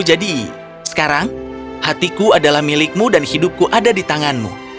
jadi sekarang hatiku adalah milikmu dan hidupku ada di tanganmu